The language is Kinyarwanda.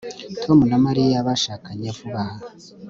Tom na Mariya bashakanye vuba aha